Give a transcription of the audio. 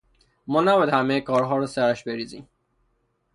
ما نباید همهٔ کارها را سرش بریزیم.